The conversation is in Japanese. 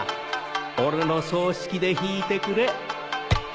俺の葬式で弾いてくれ